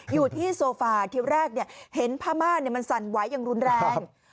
อยู่ที่โซฟาทีแรกเห็นผ้าม่ามันสั่นไหวอย่างรุนแรง